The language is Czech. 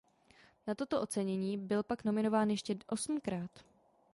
Na toto ocenění byl pak nominován ještě osmkrát.